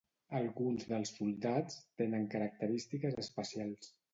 Alguns dels soldats tenen característiques especials.